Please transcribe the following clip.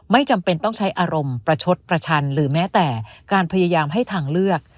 จำเป็นต้องใช้อารมณ์ประชดประชันหรือแม้แต่การพยายามให้ทางเลือก